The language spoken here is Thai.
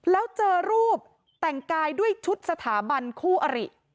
แล้วเจอรูปแต่งกายด้วยชุดสถาบันคู่อริ